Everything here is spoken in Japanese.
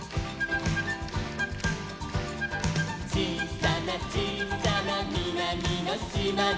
「ちいさなちいさなみなみのしまに」